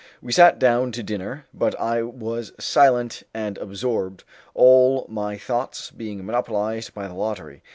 We sat down to dinner, but I was silent and absorbed, all my thoughts being monopolized by the lottery.